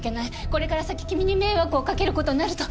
「これから先君に迷惑をかける事になる」と。